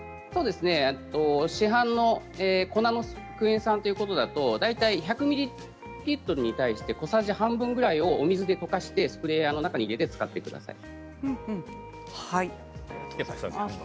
市販の粉のクエン酸ということだと、１００ミリリットルに対して、小さじ半分ぐらいをお水に溶かしてスプレーボトルで使ってください。